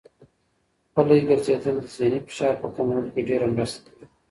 پلي ګرځېدل د ذهني فشار په کمولو کې ډېره مرسته کوي.